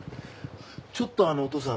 ちょっとお父さん。